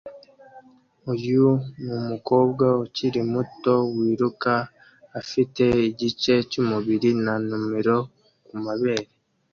Uyu numukobwa ukiri muto wiruka afite igice cyubururu na numero kumabere